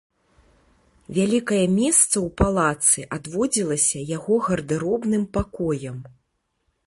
Вялікае месца ў палацы адводзілася яго гардэробным пакоям.